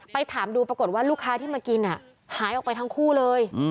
ถามดูปรากฏว่าลูกค้าที่มากินหายออกไปทั้งคู่เลย